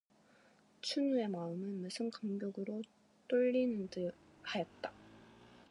춘우의 마음은 무슨 감격으로 떨리는 듯하였다.